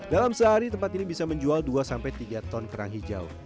dalam sehari tempat ini bisa menjual dua tiga ton kerang hijau